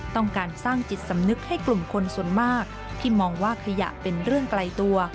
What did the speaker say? ต้องการสร้างจิตสำนึกให้กลุ่มคนส่วนมากที่มองว่าขยะเป็นเรื่องไกลตัว